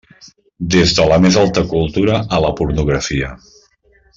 Des de la més alta cultura a la pornografia.